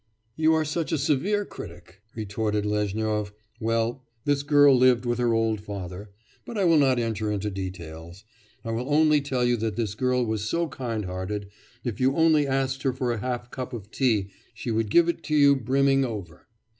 'You are such a severe critic,' retorted Lezhnyov. 'Well, this girl lived with her old father.... But I will not enter into details; I will only tell you that this girl was so kind hearted, if you only asked her for half a cup of tea she would give it you brimming over!